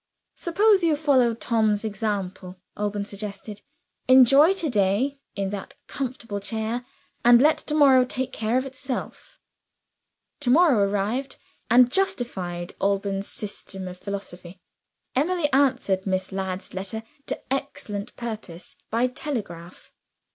"Suppose you follow Tom's example?" Alban suggested. "Enjoy to day (in that comfortable chair) and let to morrow take care of itself." To morrow arrived, and justified Alban's system of philosophy. Emily answered Miss Ladd's letter, to excellent purpose, by telegraph.